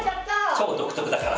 超独特だから。